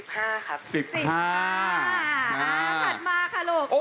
ถัดมาค่ะลูก